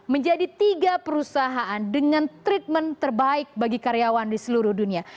menjadi tiga perusahaan dengan treatment terbaik bagi karyawan di seluruh dunia